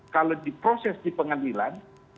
kalau diproses di pengadilan